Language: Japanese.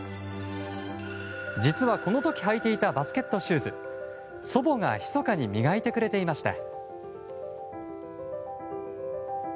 実は、この時履いていたバスケットシューズ祖母がひそかに磨いてくれていました。